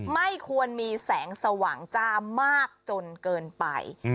ไม่ควรมีแสงสว่างจ้ามากจนเกินไป